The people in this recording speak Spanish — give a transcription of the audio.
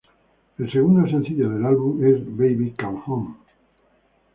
El segundo sencillo del álbum es Baby Come Home.